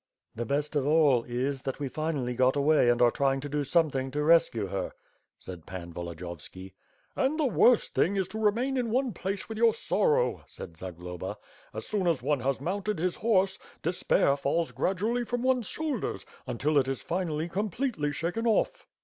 "The best of all is, that we finally got away and are tiying to do something to rescue her/' said Pan Volodiyovski. "And the worst thing is to remain in one place with your sorrow,'* said Zagloba, "as soon as one has mounted his horse, despair falls gradually from one's shoulders, until it is finally completely shaken off."